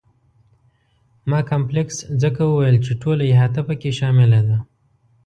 ما کمپلکس ځکه وویل چې ټوله احاطه په کې شامله ده.